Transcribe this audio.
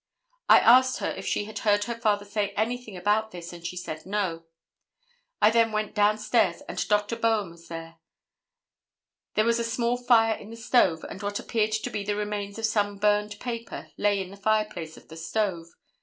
I asked her if she had heard her father say anything about this and she said no. I then went down stairs and Dr. Bowen was there. There was a small fire in the stove and what appeared to be the remains of some burned paper lay in the fireplace of the stove.